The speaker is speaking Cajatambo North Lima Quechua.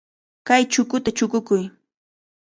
Kay chukuta chukukuy.